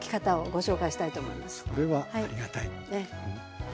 それはありがたい。